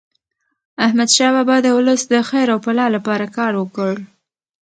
احمد شاه بابا د ولس د خیر او فلاح لپاره کار وکړ.